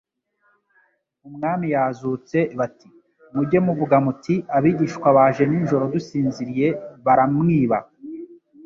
Umwami yazutse bati : "Mujye muvuga muti : abigishwa baje nijoro dusinziriye baramwiba."